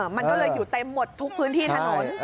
มันก็เลยอยู่เต็มหมดทุกพื้นที่ถนน